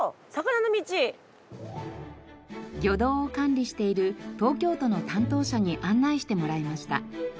魚道を管理している東京都の担当者に案内してもらいました。